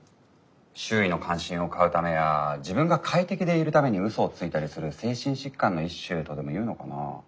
周囲の関心を買うためや自分が快適でいるために嘘をついたりする精神疾患の一種とでもいうのかな。